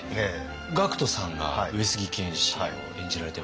ＧＡＣＫＴさんが上杉謙信を演じられていました。